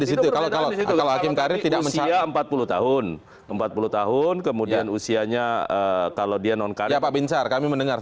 gitu kalau kalau hakim karir tidak empat puluh tahun empat puluh tahun kemudian usianya kalau dia nonkarir